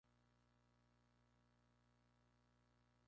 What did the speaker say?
Más tarde fue definido sobre todo en Alemania en los años setenta.